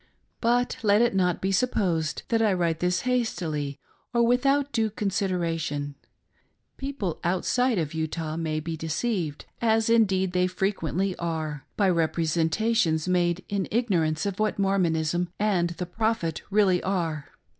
But let it not be supposed that I write this hastily, or without due consideration. People outside of Utah may be deceived, as indeed they frequently are, by representations made in ignorance of what Mormonism and the Prophet 274 THE TRUE CHARACTER OF THE MORMON PEOPLE. really are.